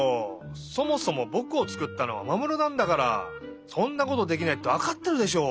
そもそもぼくをつくったのはマモルなんだからそんなことできないってわかってるでしょ！